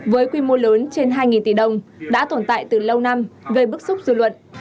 với quy mô lớn trên hai tỷ đồng đã tồn tại từ lâu năm gây bức xúc dư luận